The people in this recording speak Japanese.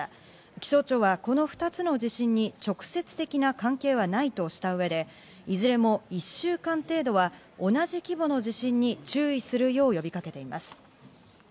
気象庁はこの２つの地震に直接的な関係はないとした上でいずれも１週間程度は同じ規模の地震に注意するよう呼びかけています。